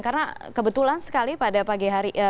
karena kebetulan sekali pada pagi hari